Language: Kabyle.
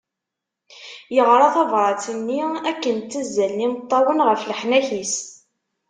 Yeɣra tabrat-nni akken ttazzalen imeṭṭawen ɣef leḥnak-is.